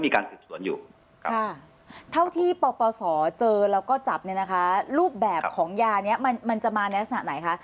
ค่ะเท่าที่ปสเจอแล้วก็จับเนี่ยนะคะรูปแบบของยานี้มันจะมาในลักษณะไหนคะ